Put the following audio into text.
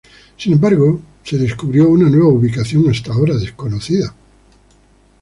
Sin embargo, se descubrió una nueva ubicación, hasta ahora desconocida.